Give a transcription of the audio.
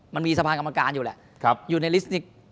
มันมีสะพานกรรมการอยู่แหละอยู่ในลิสนิก